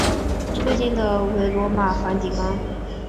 最近的为罗马和梵蒂冈。